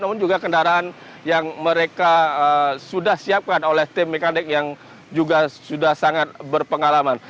namun juga kendaraan yang mereka sudah siapkan oleh tim mekanik yang juga sudah sangat berpengalaman